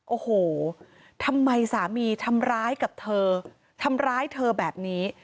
โอ้โหทำไมสามีทำร้ายกับเธอทำร้ายเธอแบบนี้